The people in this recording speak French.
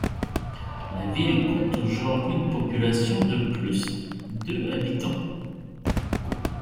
La ville compte aujourd'hui une population de plus de habitants.